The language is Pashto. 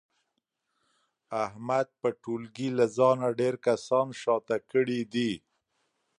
احمد په ټولګي له ځانه ډېر کسان شاته کړي دي.